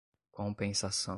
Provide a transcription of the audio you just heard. compensação